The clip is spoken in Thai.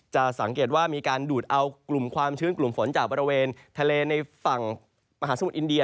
จะสังเกตว่ามีการดูดเอากลุ่มความชื้นกลุ่มฝนจากบริเวณทะเลในฝั่งมหาสมุทรอินเดีย